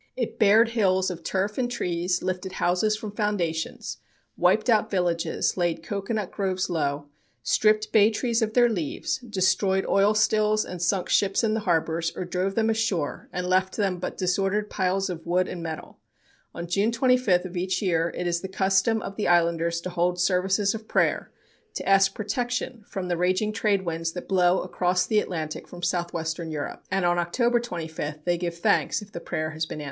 It bared hills of turf and trees, lifted houses from foundations, wiped out villages, laid cocoanut groves low, stripped bay trees of their leaves, destroyed oil stills and sunk ships in the harbors, or drove them ashore and left them but disordered piles of wood and metal. On June 25th of each year it is the custom of the islanders to hold services of prayer to ask protection from the raging trade winds that blow across the Atlantic from southwestern Europe, and on October 25th they give thanks if the prayer has been answered.